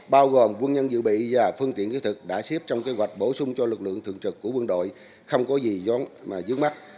bao gồm quân nhân dự bị và phương tiện kỹ thuật đã xếp trong kế hoạch bổ sung cho lực lượng thường trực của quân đội không có gì mà dưới mắt